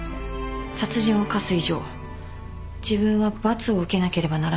殺人を犯す以上自分は罰を受けなければならない。